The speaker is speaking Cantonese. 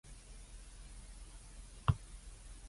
可以上甜品喇